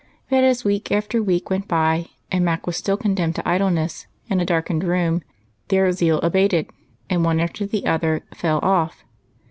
But as week after week went by, and Mac was still condemned to idleness and a darkened room, their zeal abated, and one after the other fell off.